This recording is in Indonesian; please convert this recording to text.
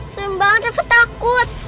seram banget aku takut